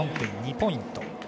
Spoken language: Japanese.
９４．２ポイント。